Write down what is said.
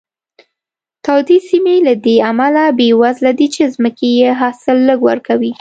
تودې سیمې له دې امله بېوزله دي چې ځمکې یې حاصل لږ ورکوي.